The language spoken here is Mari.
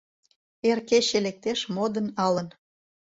Эр кече лектеш, модын алын.